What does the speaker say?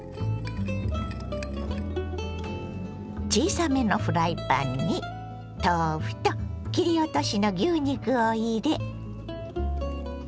小さめのフライパンに豆腐と切り落としの牛肉を入れ。